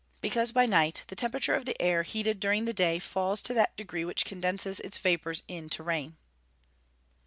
_ Because by night the temperature of the air, heated during the day, falls to that degree which condenses its vapours into rain.